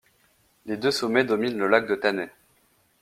Les deux sommets dominent le lac de Tanay.